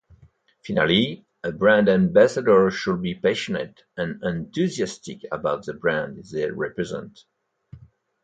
Finally, a brand ambassador should be passionate and enthusiastic about the brand they represent.